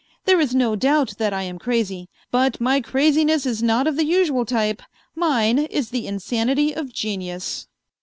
There is no doubt that I am crazy, but my craziness is not of the usual type. Mine is the insanity of genius."